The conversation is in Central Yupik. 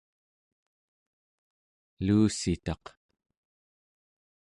luussitaq